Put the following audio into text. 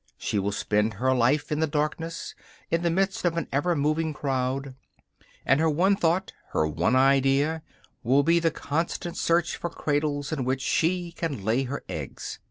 She will spend her life in the darkness, in the midst of an ever moving crowd; and her one thought, her one idea, will be the constant search for cradles in which she can lay her eggs.